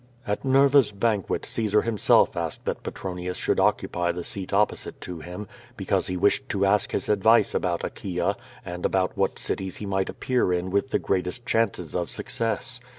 At Nerva's banquet Caesar himself asked that Petronius should occupy the seat opposite to him, because he wished to ask his advice about Achaea and about what cities he might appear in with the greatest chances of success.